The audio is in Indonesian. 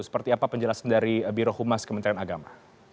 seperti apa penjelasan dari birohumas kementerian agama